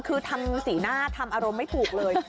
คือทำสีหน้าทำอารมณ์ไม่ถูกเลย